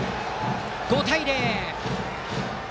５対０。